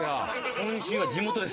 今週は地元です。